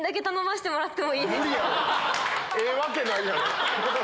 ええわけないやろ！